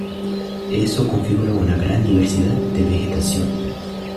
Eso configura una gran diversidad de vegetación.